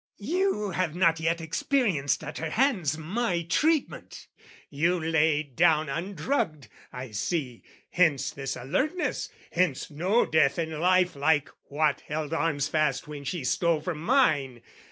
"You have not yet experienced at her hands "My treatment, you lay down undrugged, I see! "Hence this alertness hence no death in life "Like what held arms fast when she stole from mine.